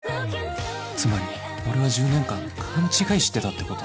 つまり俺は１０年間勘違いしてたってこと？